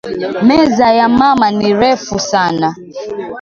Meza ya mama ni refu sana